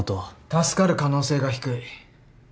助かる可能性が低い。